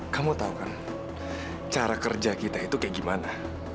kamu tau kan cara kerja kita itu kayak gimana